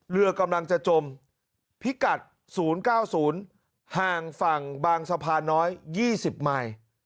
เรือกำลังจะจมพิกัด๐๙๐ห่างฝั่งบางสะพานน้อย๒๐ไมค์